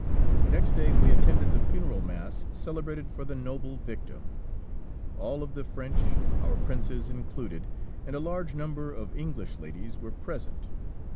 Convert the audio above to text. Next day we attended the funeral mass celebrated for the noble victim. All of the French, our Princes included, and a large number of English ladies were present.